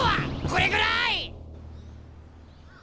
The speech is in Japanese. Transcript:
これぐらい！